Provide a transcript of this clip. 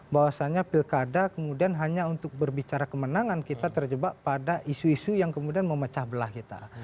bahwasannya pilkada kemudian hanya untuk berbicara kemenangan kita terjebak pada isu isu yang kemudian memecah belah kita